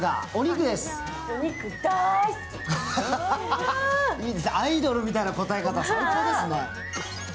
アイドルみたいな答え方、最高ですね。